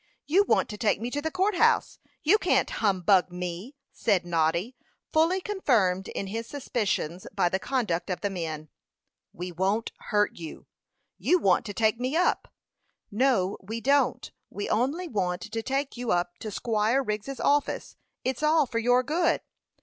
You want to take me to the court house. You can't humbug me," said Noddy, fully confirmed in his suspicions by the conduct of the men. "We won't hurt you." "You want to take me up." "No, we don't; we only want to take you up to Squire Wriggs's office. It's all for your good."